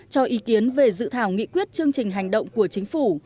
cho ý kiến về dự thảo nghị quyết chương trình hành động của chính phủ